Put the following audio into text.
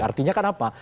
artinya kan apa